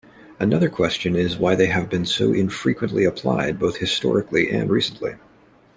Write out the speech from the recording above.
Another question is why they have been so infrequently applied both historically and recently.